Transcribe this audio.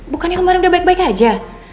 bukannya kemarin udah baik baik aja